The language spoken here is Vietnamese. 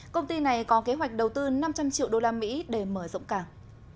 công ty này có kế hoạch đầu tư năm trăm linh triệu đô la mỹ để mở rộng cảng